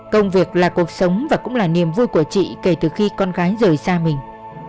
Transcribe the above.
công việc là cuộc sống và cũng là niềm vui của chị kể từ khi con gái rời xa mình